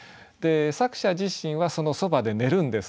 作者自身はそのそばで寝るんです。